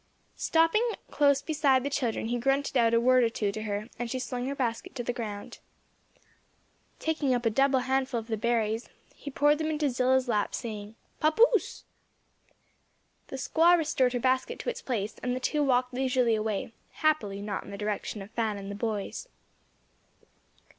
Stopping close beside the children, he grunted out a word or two to her, and she slung her basket to the ground. Taking up a double handful of the berries, he poured them into Zillah's lap, saying, "Pappoose!" The squaw restored her basket to its place and the two walked leisurely away; happily not in the direction of Fan and the boys.